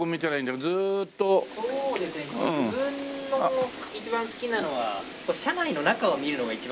自分の一番好きなのは車内の中を見るのが一番好きですね。